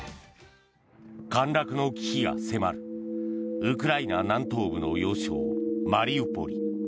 陥落の危機が迫るウクライナ南東部の要衝マリウポリ。